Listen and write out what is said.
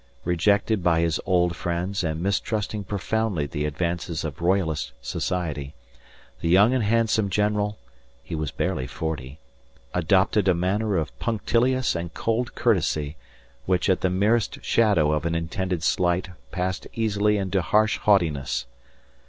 Rejected by his old friends and mistrusting profoundly the advances of royalist society, the young and handsome general (he was barely forty) adopted a manner of punctilious and cold courtesy which at the merest shadow of an intended slight passed easily into harsh haughtiness.